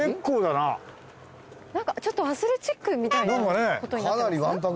なんかちょっとアスレチックみたいなことになってます？